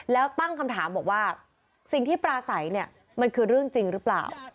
แล้วตั้งคำถามบอกว่าสิ่งที่ปราศัยเนี่ยมันคือเรื่องจริงหรือเปล่า